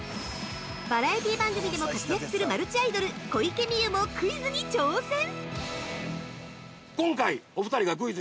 バラエティー番組でも活躍するマルチアイドル小池美由もクイズに挑戦！